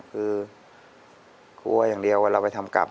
คือกลัวอย่างเดียวเวลาไปทำกราบ